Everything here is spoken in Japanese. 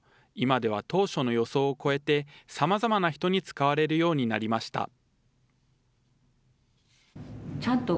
今では当初の予想を超えて、さまざまな人に使われるようになりました。